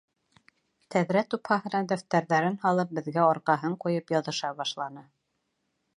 Тәҙрә тупһаһына дәфтәрҙәрен һалып, беҙгә арҡаһын ҡуйып яҙыша башланы.